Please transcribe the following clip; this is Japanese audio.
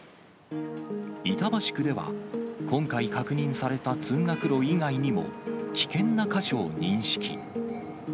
板橋区では、今回確認された通学路以外にも、危険な箇所を認識。